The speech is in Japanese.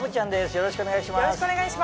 よろしくお願いします